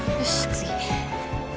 次